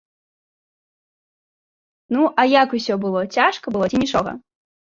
Ну, а як усё было, цяжка было ці нічога?